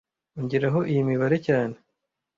Ongeraho iyi mibare cyane